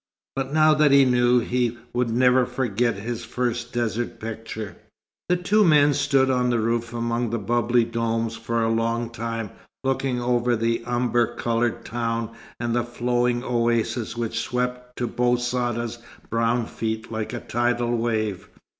But now that he knew, he would never forget his first desert picture. The two men stood on the roof among the bubbly domes for a long time, looking over the umber coloured town and the flowing oasis which swept to Bou Saada's brown feet like a tidal wave.